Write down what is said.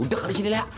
udah kali sini leha